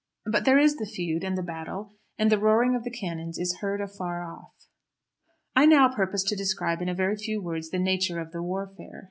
But there is the feud, and the battle, and the roaring of the cannons is heard afar off. I now purpose to describe in a very few words the nature of the warfare.